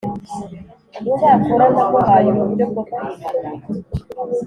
Icyakora namuhaye uburyo bwo kwihana,